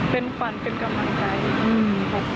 เป็นฟันเป็นกำลังใจ